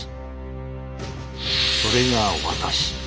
それが私。